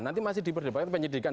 nanti masih diperdebatkan penyelidikan